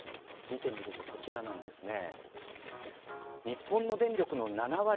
見てみると、こちらなんですね。